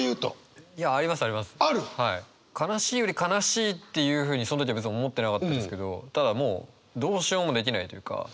悲しいより悲しいっていうふうにその時別に思ってなかったんですけどただもうどうしようもできないというか。